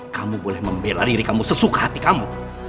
kamu boleh membela diri kamu sesuka hati kamu